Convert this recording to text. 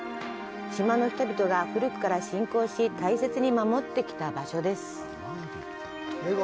島の人々が古くから信仰し大切に守ってきた場所です。